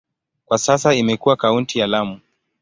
Kwa sasa imekuwa kaunti ya Lamu.